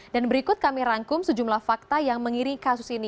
dan berikut kami rangkum sejumlah fakta yang mengiri kasus ini